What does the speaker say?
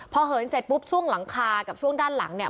พอเหินเสร็จปุ๊บช่วงหลังคากับช่วงด้านหลังเนี่ย